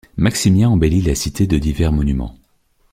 Maximien embellit la cité de divers monuments.